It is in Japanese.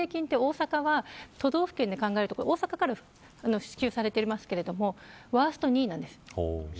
私学助成金は、大阪は都道府県で考えると大阪から支給されていますがワースト２位なんです。